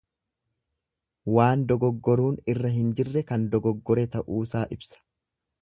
Waan dogoggoruun irra hin jirre kan dogoggore ta'uusaa ibsa.